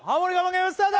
ゲームスタート